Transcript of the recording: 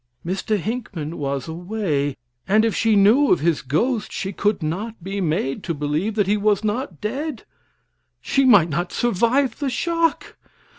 Mr. Hinckman was away, and if she knew of his ghost she could not be made to believe that he was not dead. She might not survive the shock!